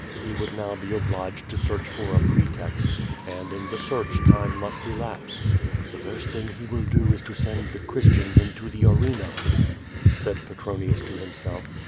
He would now be obliged to search for a pretext, and in the search time must elapse. "The first thing he will do is to send the Christians into the arena," said Petronius to himself.